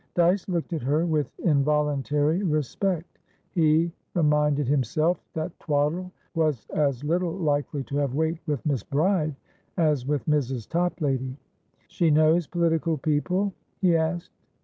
Dyce looked at her with involuntary respect. He reminded himself that "twaddle" was as little likely to have weight with Miss Bride as with Mrs. Toplady. "She knows political people?" he asked.